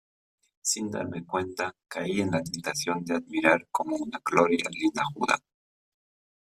sin darme cuenta caí en la tentación de admirar como una gloria linajuda